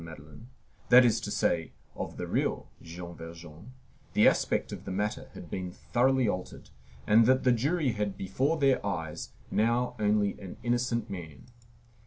Madeleine, that is to say, of the real Jean Valjean, the aspect of the matter had been thoroughly altered, and that the jury had before their eyes now only an innocent man.